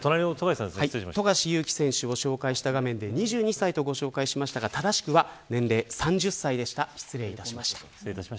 先ほど、富樫勇樹選手を紹介した画面で年齢を２２歳と紹介しましたが正しくは年齢３０歳でした。